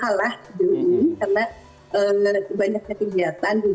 karena banyaknya kegiatan juga